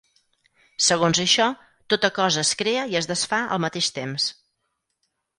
Segons això, tota cosa es crea i es desfà al mateix temps.